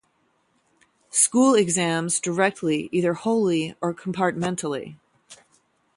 School Exams directly either wholly or compartmentally.